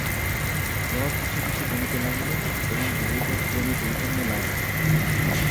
জ্বর কিছু কিছু কমিতে লাগিল এবং কালীপদ ক্রমে চৈতন্য লাভ করিল।